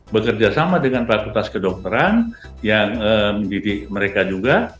bekerja sama dengan fakultas kedokteran yang mendidik mereka juga